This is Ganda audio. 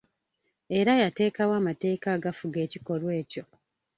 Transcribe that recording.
Era yateekawo amateeka agafuga ekikolwa ekyo.